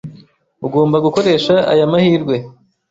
Ugomba gukoresha aya mahirwe.